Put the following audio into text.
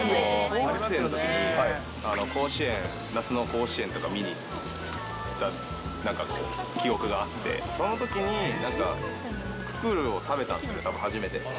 小学生のときに甲子園、夏の甲子園とか見に行った、なんか記憶があって、そのときにくくるを食べたんです、初めて。